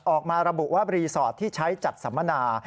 ออกมาระบุว่ารีสอร์ทที่ใช้จัดสัมมนา